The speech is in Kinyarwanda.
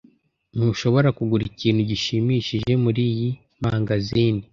Ntushobora kugura ikintu gishimishije muriyi mangazini.